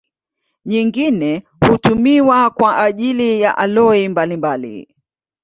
Nyingine hutumiwa kwa ajili ya aloi mbalimbali.